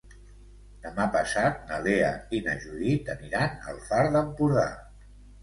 Demà passat na Lea i na Judit aniran al Far d'Empordà.